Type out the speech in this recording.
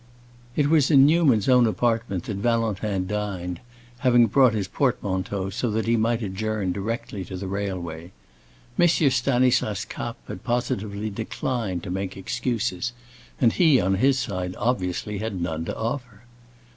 It was in Newman's own apartment that Valentin dined, having brought his portmanteau, so that he might adjourn directly to the railway. M. Stanislas Kapp had positively declined to make excuses, and he, on his side, obviously, had none to offer.